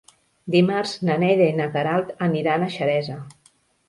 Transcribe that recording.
Dimarts na Neida i na Queralt aniran a Xeresa.